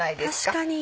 確かに。